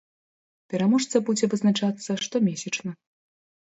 Пераможца будзе вызначацца штомесячна.